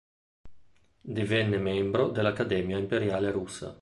Divenne membro dell'Accademia Imperiale Russa.